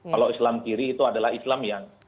kalau islam kiri itu adalah islam yang